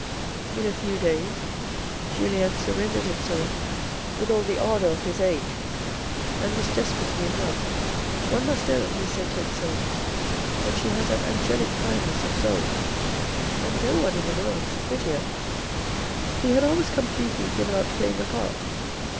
In a few days Julien surrendered himself with all the ardour of his age, and was desperately in love, " One must own," he said to himself, " that she has an angelic kindness of soul, and no one in the world is prettier." He had almost completely given up playing a part.